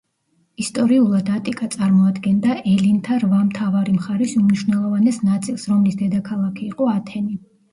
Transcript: ისტორიულად ატიკა წარმოადგენდა ელინთა რვა მთავარ მხარის უმნიშვნელოვანეს ნაწილს, რომლის დედაქალაქი იყო ათენი.